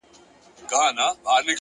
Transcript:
دلته له هرې ښيښې څاڅکي د باران وځي _